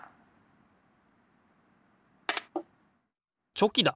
チョキだ！